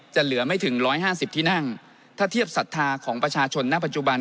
จะเหลือไม่ถึงร้อยห้าสิบที่นั่งถ้าเทียบศรัทธาของประชาชนหน้าปัจจุบัน